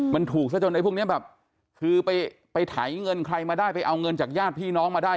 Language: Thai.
มันถูกซะจนไอ้พวกนี้แบบคือไปไถเงินใครมาได้ไปเอาเงินจากญาติพี่น้องมาได้